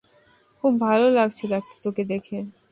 খুব ভালো লাগছে তোকে দেখে!